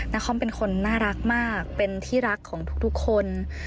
คอมเป็นคนน่ารักมากเป็นที่รักของทุกคน